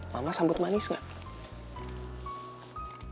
mama sambut manis gak